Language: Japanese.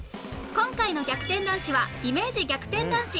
今回の『逆転男子』はイメージ逆転男子